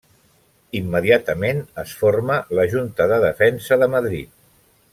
Immediatament, es forma la Junta de Defensa de Madrid.